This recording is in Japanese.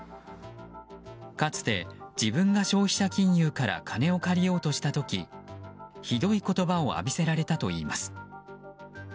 かつて自分が消費者金融から金を借りようとした時ひどい言葉を浴びせられたといいます。